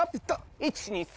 １２３！